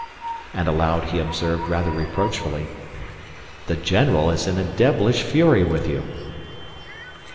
And aloud he observed rather reproachfully, "The general is in a devilish fury with you."